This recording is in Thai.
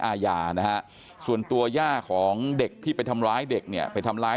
อาญานะฮะส่วนตัวย่าของเด็กที่ไปทำร้ายเด็กเนี่ยไปทำร้าย